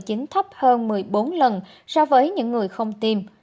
do sars cov hai thấp hơn một mươi bốn lần so với những người không tiêm